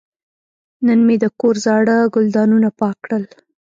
نن مې د کور زاړه ګلدانونه پاک کړل.